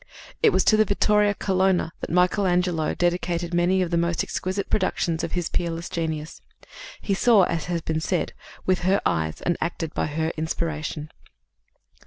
It was to Vittoria Colonna that Michaelangelo dedicated many of the most exquisite productions of his peerless genius. "He saw," as has been said, "with her eyes and acted by her inspiration."